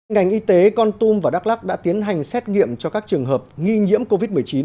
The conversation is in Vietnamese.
ngành y tế con tum và đắk lắc đã tiến hành xét nghiệm cho các trường hợp nghi nhiễm covid một mươi chín